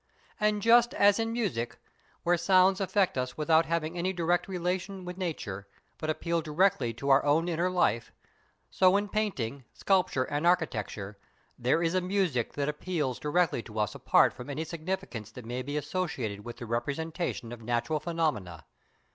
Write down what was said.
And just as in music, where sounds affect us without having any direct relation with nature, but appeal directly to our own inner life; so in painting, sculpture, and architecture #there is a music that appeals directly to us apart from any significance that may be associated with the representation of natural phenomena#.